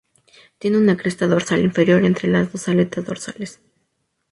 Tiene una cresta dorsal inferior entre las dos aletas dorsales.